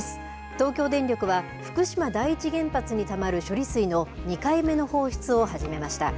東京電力は福島第一原発にたまる処理水の２回目の放出を始めました。